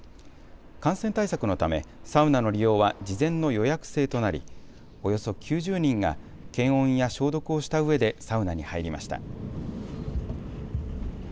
感染対策のためサウナの利用は事前の予約制となりおよそ９０人が検温や消毒をしたうえでサウナに入りました。